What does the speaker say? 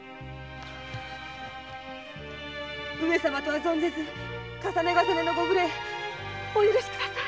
上様とは存ぜず重ね重ねのご無礼お許しください。